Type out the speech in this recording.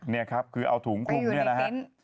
นี่ครับคือเอาถุงคลุมเนี่ยนะฮะ